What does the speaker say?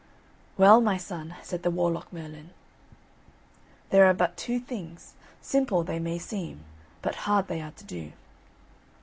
"Well, my son," said the Warlock Merlin, "there are but two things, simple they may seem, but hard they are to do.